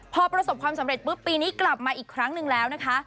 พอประสบความสำเร็จปุ๊บปีนี้กลับมาอีกครั้งหนึ่งแล้วนะคะ